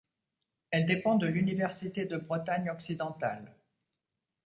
Elle dépend de l'Université de Bretagne occidentale.